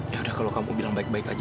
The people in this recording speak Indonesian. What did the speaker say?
ya udah kalau kamu bilang baik baik aja